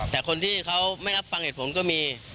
แต่คนที่เขาไม่รับฟังเหตุผลก็มี